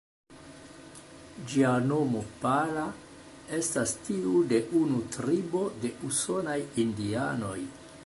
Ĝia nomo ""Pala"", estas tiu de unu tribo de usonaj indianoj.